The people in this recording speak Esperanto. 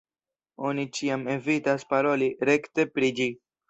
Oni ĉiam evitas paroli rekte pri ĝi.